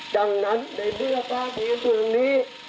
ดังนั้นในเมื่อพระอาทิตย์ตรงนี้